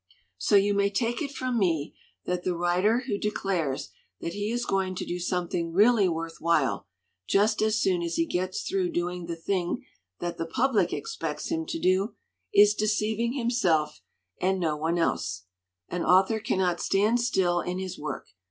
"So you may take it from me that the writer who declares that he is going to do something really worth while, just as soon as he gets through doing the thing that the public expects him to do, is deceiving himself and no one else. An author cannot stand still in his work.